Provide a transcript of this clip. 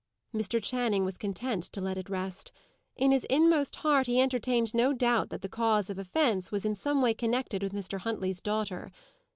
Mr. Channing was content to let it rest. In his inmost heart he entertained no doubt that the cause of offence was in some way connected with Mr. Huntley's daughter.